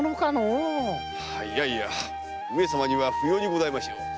いやいや上様には不要にございましょう。